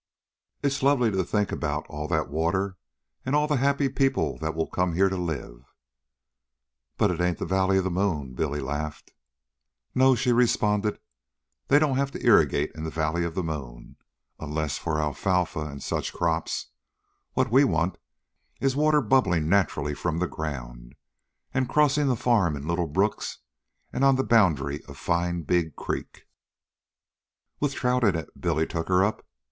"It's lovely to think about all that water, and all the happy people that will come here to live " "But it ain't the valley of the moon!" Billy laughed. "No," she responded. "They don't have to irrigate in the valley of the moon, unless for alfalfa and such crops. What we want is the water bubbling naturally from the ground, and crossing the farm in little brooks, and on the boundary a fine big creek " "With trout in it!" Billy took her up.